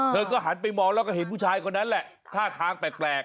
เธอก็หันไปมองแล้วก็เห็นผู้ชายคนนั้นแหละท่าทางแปลก